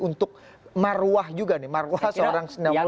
untuk maruah juga nih maruah seorang senyawa kemanto